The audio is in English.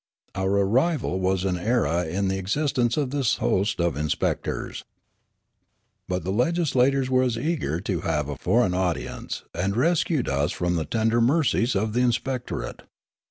Our arrival was an era in the existence of this host of inspectors. But the legislators were as eager to have a foreign audience, and rescued us from the tender mercies of the inspectorate.